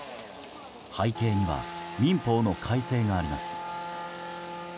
背景には民法の改正があります。